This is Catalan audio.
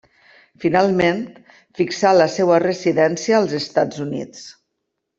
Finalment fixà la seva residència als Estats Units.